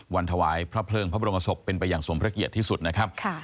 ถวายพระเพลิงพระบรมศพเป็นไปอย่างสมพระเกียรติที่สุดนะครับ